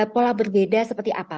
pola berbeda seperti apa